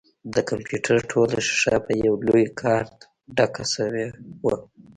د کمپيوټر ټوله ښيښه په يوه لوى کارت ډکه سوې وه.